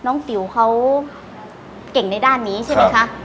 ติ๋วเขาเก่งในด้านนี้ใช่ไหมคะ